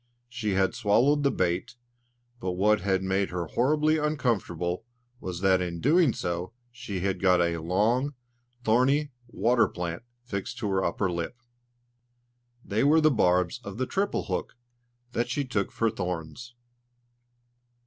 She had swallowed the bait, but what made her horribly uncomfortable was that in doing so she had got a long, thorny water plant fixed to her upper lip. They were the barbs of the triple hook that she took for thorns!